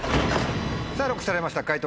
さぁＬＯＣＫされました解答